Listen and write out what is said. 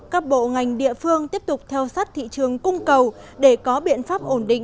các bộ ngành địa phương tiếp tục theo sát thị trường cung cầu để có biện pháp ổn định